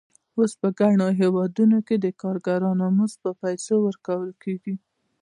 اوس په ګڼو هېوادونو کې د کارګرانو مزد په پیسو ورکول کېږي